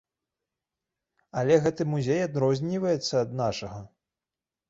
Але гэты музей адрозніваецца ад нашага.